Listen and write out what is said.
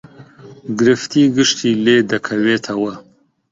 گرفتی گشتی لێ دەکەوێتەوە